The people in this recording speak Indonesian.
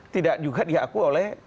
tidak juga diakui oleh